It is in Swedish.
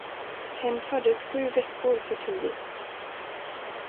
Hen föddes sju veckor för tidigt.